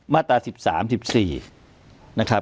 มาตรา๑๓๑๔